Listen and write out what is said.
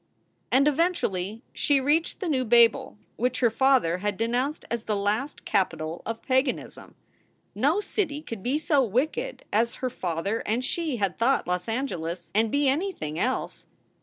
And eventually she reached the new Babel, which her father had denounced as the last capital of paganism. No city could be so wicked as her father and she had thought Los Angeles, and be anything else.